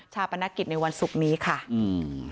ปนกิจในวันศุกร์นี้ค่ะอืม